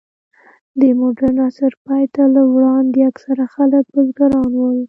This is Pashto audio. د مډرن عصر پای ته له وړاندې، اکثره خلک بزګران ول.